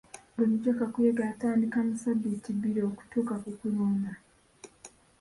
Bulijjo kakuyege atandika mu sabbiiti bbiri okutuuka ku kulonda.